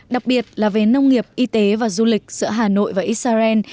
đặc biệt là về nông nghiệp y tế và du lịch giữa hà nội và israel